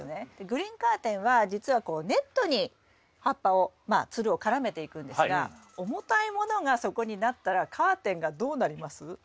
グリーンカーテンはじつはこうネットに葉っぱをまあつるを絡めていくんですが重たいものがそこになったらカーテンがどうなります？